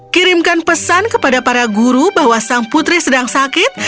kirimkan pesan kepada para guru bahwa sang putri sedang sakit